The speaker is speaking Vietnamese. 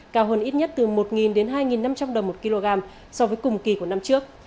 cao hơn ít nhất từ một đến hai năm trăm linh đồng một kg so với cùng kỳ của năm trước